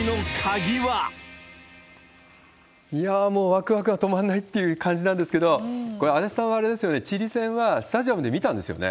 いやー、もうわくわくが止まんないっていう感じなんですけど、これ、足立さんはあれですよね、チリ戦はスタジアムで見たんですよね。